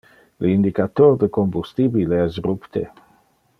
Le indicator de combustibile es rupte.